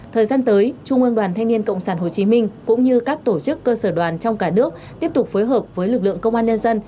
thời gian tới trung ương đoàn thanh niên cộng sản hồ chí minh cũng như các tổ chức cơ sở đoàn trong cả nước tiếp tục phối hợp với lực lượng công an nhân dân